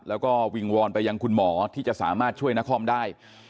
แล้วก็วิงวอนไปยังคุณหมอที่จะสามารถช่วยนครได้